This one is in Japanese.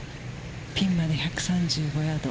ピンまで１３５ヤード。